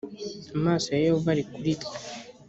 amaso ya yehova ari kuri twe